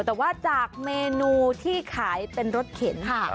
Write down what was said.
แต่ว่าจากเมนูที่ขายเป็นรสเข็นค่ะ